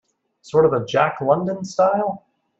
Sort of a Jack London style?